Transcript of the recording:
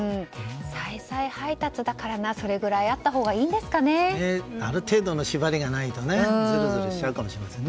再々配達だからなそれくらいあったほうがある程度の縛りがないとずるずるしちゃうかもしれません。